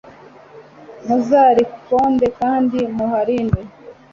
muzarikonde kandi muharinde